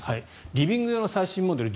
リビング用の最新モデル